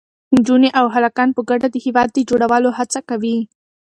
نجونې او هلکان په ګډه د هېواد د جوړولو هڅه کوي.